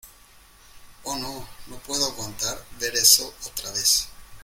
Oh, no , no puedo aguantar ver eso otra vez.